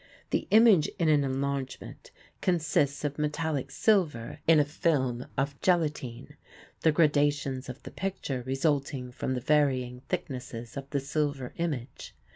The image in an enlargement consists of metallic silver in a film of gelatine, the gradations of the picture resulting from the varying thicknesses of the silver image.